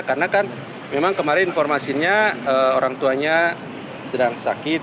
karena kan memang kemarin informasinya orang tuanya sedang sakit